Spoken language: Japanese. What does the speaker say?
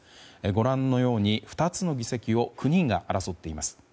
ご覧のように、２つの議席を９人が争っています。